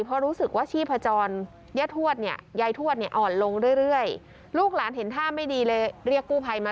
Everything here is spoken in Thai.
เพราะรู้สึกว่าชีพพจรยายทวดอ่อนลงเรื่อย